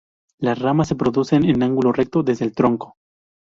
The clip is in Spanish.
Las ramas se producen en ángulo recto desde el tronco.